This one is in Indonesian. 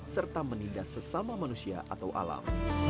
serta menindas sesama manusia atau alam